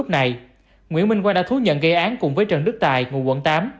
nguyễn minh quang đã thú nhận gây án cùng với trần đức tài ngụ quận tám